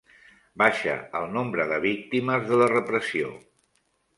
Baixa el nombre de víctimes de la repressió